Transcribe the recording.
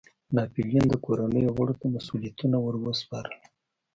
د ناپلیون د کورنیو غړو ته مسوولیتونو ور سپارل.